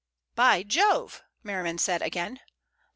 "By Jove!" Merriman said again.